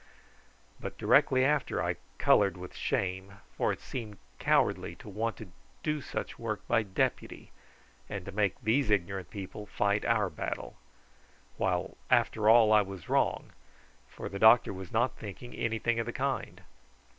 But directly after I coloured with shame, for it seemed cowardly to want to do such work by deputy and to make these ignorant people fight our battle; while after all I was wrong, for the doctor was not thinking anything of the kind.